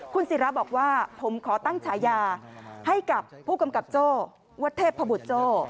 คุณศิราบอกว่าผมขอตั้งฉายาให้กับผู้กำกับโจ้วัดเทพบุตรโจ้